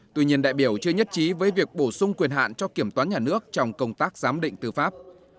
tuy nhiên đại biểu chưa nhất trí với việc bổ sung quyền hạn cho kiểm toán nhà nước trong công tác giám định tư pháp